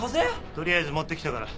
とりあえず持ってきたから。